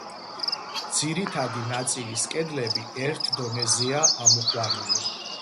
ძირითადი ნაწილის კედლები ერთ დონეზეა ამოყვანილი.